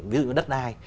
ví dụ như đất đai